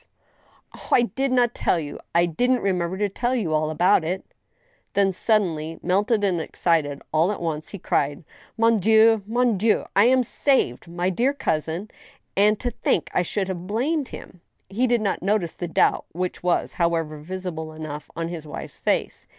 Oh ! I did not tell you !.•. I didn't remember to tell you all about it—" 84 THE STEEL HAMMER. Then, suddenly melted and excited all at once, he cried : MonDieul MonDieul I am saved. ... My dear cousin !... and to think I should have blamed him !" lie did not notice the doubt which was, however, visible enough on his wife's face.